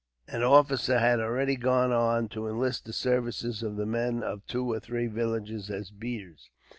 An officer had already gone on, to enlist the services of the men of two or three villages as beaters.